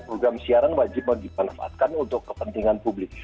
program siaran wajib dimanfaatkan untuk kepentingan publik